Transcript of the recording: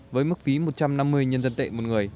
với mức phí một trăm năm mươi nhân dân tệ một người